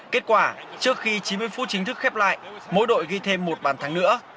kết quả trước khi chín mươi phút chính thức khép lại mỗi đội ghi thêm một bàn thắng nữa